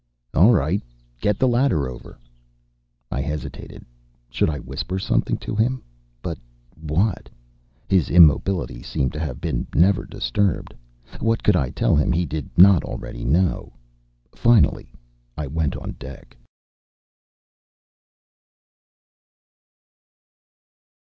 "All right. Get the ladder over." I hesitated. Should I whisper something to him? But what? His immobility seemed to have been never disturbed. What could I tell him he did not know already?... Finally I went on deck.